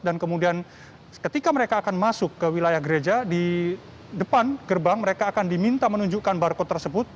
dan kemudian ketika mereka akan masuk ke wilayah gereja di depan gerbang mereka akan diminta menunjukkan barcode tersebut